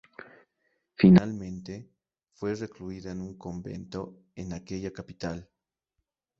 Finalmente, fue recluida en un convento en aquella capital.